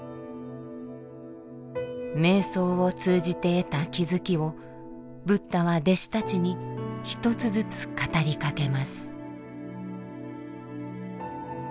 瞑想を通じて得た気づきをブッダは弟子たちに一つずつ語りかけます。